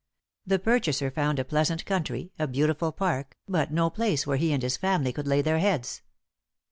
The purchaser found a pleasant country, a beautiful park, but no place where he and his family could lay their heads.